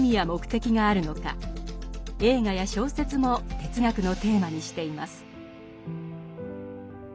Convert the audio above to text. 映画や小説も哲学のテーマにしています。